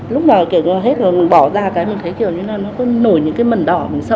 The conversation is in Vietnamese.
lúc nào kiểu hết rồi mình bỏ ra cái mình thấy kiểu như là nó có nổi những cái mẩn đỏ mình sợ